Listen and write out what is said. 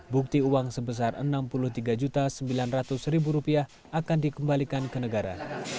bukti uang sebesar rp enam puluh tiga sembilan ratus akan dikembalikan ke negara